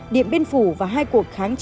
điểm biên phủ và hai cuộc kháng giải